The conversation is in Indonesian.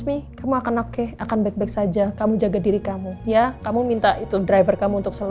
magpak mojaka kamu ada hopefully ya kamu minta itu driver kamu untuk seluruh